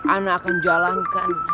anak akan jalankan